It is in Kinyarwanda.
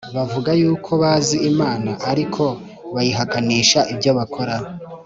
Bavuga yuko bazi Imana ariko bayihakanisha ibyo bakora.